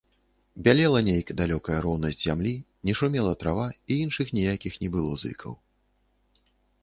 Бялела нейк далёкая роўнасць зямлі, не шумела трава, і іншых ніякіх не было зыкаў.